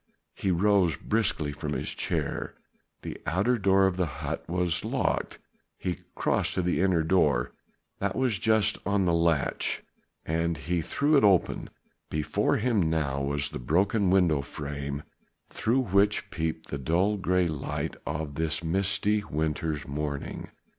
He rose briskly from his chair. The outer door of the hut was locked he crossed to the inner door. That was just on the latch and he threw it open. Before him now was the broken window frame through which peeped the dull grey light of this misty winter's morning.